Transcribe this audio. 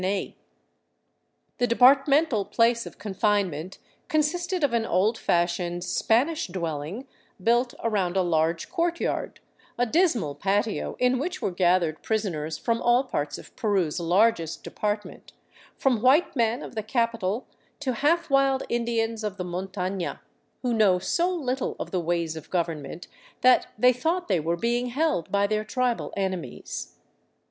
The departmental place of confinement consisted of an old fashioned Spanish dwelling built around a large courtyard, a dismal patio in which were gathered prisoners from all parts of Peru's largest department, from white men of the capital to half wild Indians of the montana, who know so little of the ways of government that they thought they were being held by their tribal enemies.